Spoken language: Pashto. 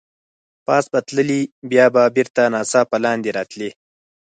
پاس به تللې، بیا به بېرته ناڅاپه لاندې راتلې.